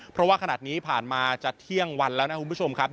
เพราะว่าขนาดนี้ผ่านมาจะเที่ยงวันแล้วนะคุณผู้ชมครับ